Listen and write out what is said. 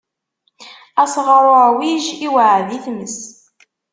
Asɣaṛ uɛwij iweɛɛed i tmes.